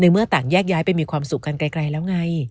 ไม่มีความสุขกันไกลแล้วไง